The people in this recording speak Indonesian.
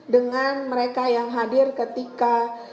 dengan mereka yang hadir ketika